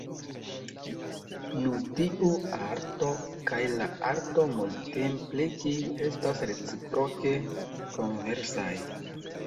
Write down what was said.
Nu tiu arto kaj la arto multimpliki estas reciproke konversaj.